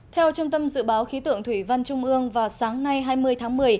theo trung tâm dự báo khí tượng thủy văn trung ương vào sáng nay hai mươi tháng một mươi